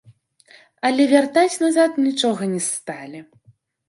Але вяртаць назад нічога не сталі.